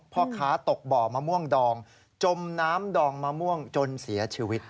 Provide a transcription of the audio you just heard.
พ่อค้าตกบ่อมะม่วงดองจมน้ำดองมะม่วงจนเสียชีวิต